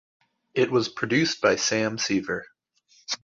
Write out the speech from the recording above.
It was produced by Sam Sever.